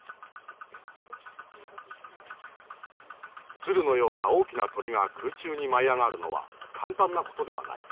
鶴のような大きな鳥が空中に舞い上がるのは簡単なことではない。